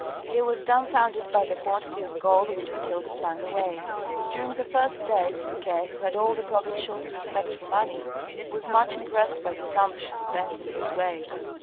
He was dumbfounded by the quantity of gold which Mathilde flung away. During the first days Fouque, who had all the provincial's respect for money, was much impressed by the sums she spent in this way.